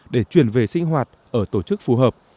để chuyển về sinh hoạt ở tổ chức phù hợp